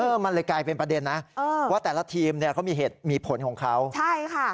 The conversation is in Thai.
มันเลยกลายเป็นประเด็นนะเออว่าแต่ละทีมเนี่ยเขามีเหตุมีผลของเขาใช่ค่ะ